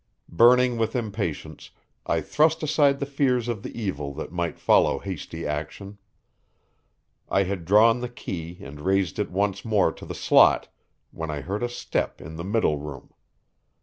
Burning with impatience, I thrust aside the fears of the evil that might follow hasty action. I had drawn the key and raised it once more to the slot, when I heard a step in the middle room.